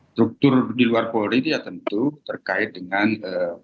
struktur di luar polri itu ya tentu terkait dengan